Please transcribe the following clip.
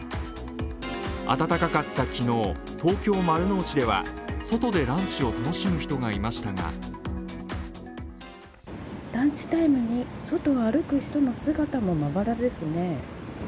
暖かかった昨日、東京・丸の内では外でランチを楽しむ人がいましたがランチタイムに外を歩く人の姿もまばらですね。